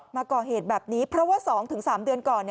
มาก่อเหตุแบบนี้เพราะว่า๒๓เดือนก่อน